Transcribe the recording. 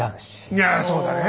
いやそうだね！